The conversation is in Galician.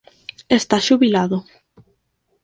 Está xubilado.